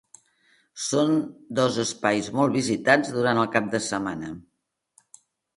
Són dos espais molt visitats durant el cap de setmana.